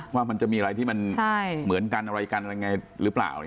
ว่ามันจะมีอะไรที่มันเหมือนกันอะไรกันอะไรยังไงหรือเปล่า